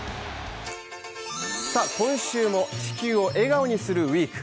今週も「地球を笑顔にするＷＥＥＫ」